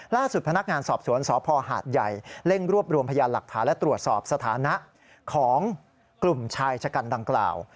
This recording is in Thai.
ล่าสุดพนักงานสอบสวนสพหาดใหญ่เร่งรวบรวมพยานหลักฐานและตรวจสอบสถานะของกลุ่มชายชะกันดังกล่าว